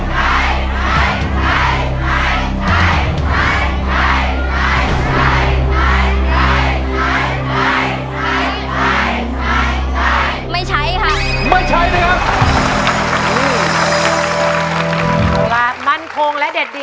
ฝีกระมั่นคงและเด็ดเดียวสมกับเป็นหัวหน้าครอบครัวจริง